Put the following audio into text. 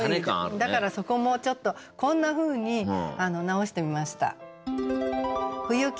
だからそこもちょっとこんなふうに直してみました。